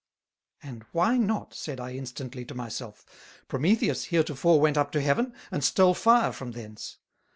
"And why not?" said I instantly to my self. "Prometheus heretofore went up to Heaven, and stole fire from thence.